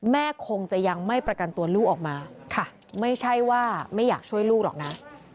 คงจะยังไม่ประกันตัวลูกออกมาค่ะไม่ใช่ว่าไม่อยากช่วยลูกหรอกนะ